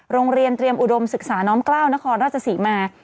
โรงเรียนเตรียมอุดมศึกษาน้อมกล้าวนครราชศรีมา